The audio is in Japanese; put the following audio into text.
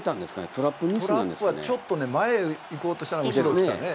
トラップはちょっと前に行こうとしたのが後ろに来たね。